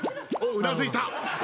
うなずいた！